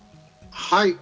はい。